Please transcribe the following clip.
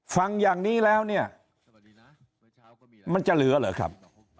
ฟังอย่างนี้แล้วเนี่ยมันจะเหลือเหรอครับ